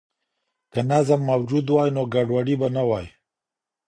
که نظم موجود وای نو ګډوډي به نه وای.